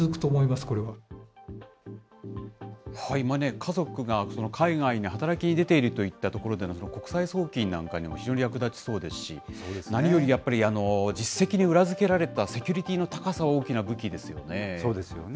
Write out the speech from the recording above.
家族が海外に働きに出ているといったところでの国際送金なんかにも非常に役立ちそうですし、何よりやっぱり、実績に裏付けられたセキュリティーの高さ、大きな武器ですよね。